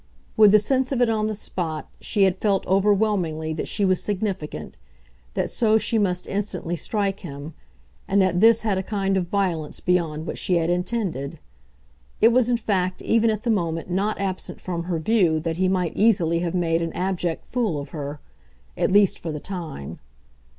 With the sense of it on the spot, she had felt, overwhelmingly, that she was significant, that so she must instantly strike him, and that this had a kind of violence beyond what she had intended. It was in fact even at the moment not absent from her view that he might easily have made an abject fool of her at least for the time.